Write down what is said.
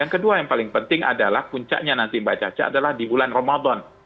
yang kedua yang paling penting adalah puncaknya nanti mbak caca adalah di bulan ramadan